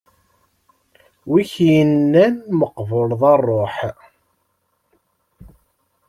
Wi k-innan meqbuleḍ a ṛṛuḥ?